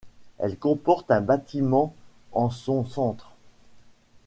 Elle comporte un bâtiment en son centre.